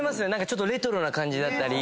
ちょっとレトロな感じだったり。